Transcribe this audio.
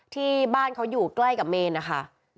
ที่บ้านเขาอยู่ใกล้กับเมนนะคะ